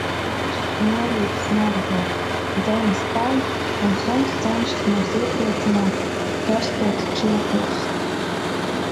Mežs mierīgi smaržo, dzenis kaļ, un suns cenšas mūs iepriecināt, ķerstot čiekurus.